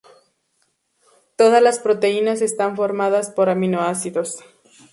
Todas las proteínas están formadas por aminoácidos.